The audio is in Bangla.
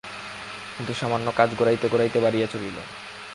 কিন্তু সামান্য কাজ গড়াইতে গড়াইতে বাড়িয়া চলিল।